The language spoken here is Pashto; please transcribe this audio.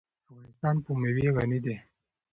افغانستان په مېوې غني دی.